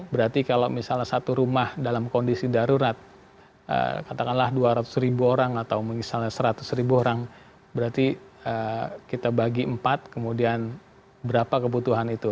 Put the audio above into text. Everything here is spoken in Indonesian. berarti kalau misalnya satu rumah dalam kondisi darurat katakanlah dua ratus ribu orang atau misalnya seratus ribu orang berarti kita bagi empat kemudian berapa kebutuhan itu